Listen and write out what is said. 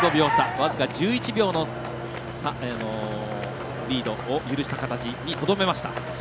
僅か１１秒のリードを許した形にとどめました。